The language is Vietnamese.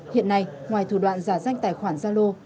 hiện nay ngoài thủ đoạn giả danh tài khoản gia lô